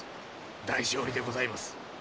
大勝利でございます。